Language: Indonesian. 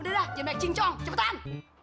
udah dah jangan naik cincong cepetan